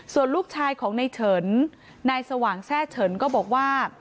ส่วนลูกชายของในเฉินนายสว่างแทร่เฉินก็บอกว่า